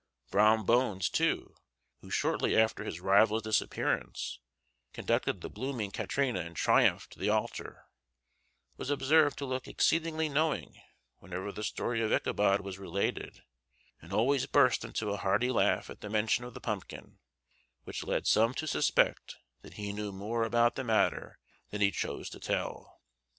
Brom Bones too, who shortly after his rival's disappearance conducted the blooming Katrina in triumph to the altar, was observed to look exceedingly knowing whenever the story of Ichabod was related, and always burst into a hearty laugh at the mention of the pumpkin; which led some to suspect that he knew more about the matter than he chose to tell.